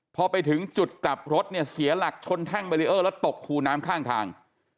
พอไปถึงจุดกลับรถเนี่ยเสียหลักชนแท่งเบรีเออร์แล้วตกคูน้ำข้างทาง